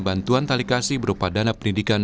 bantuan talikasi berupa dana pendidikan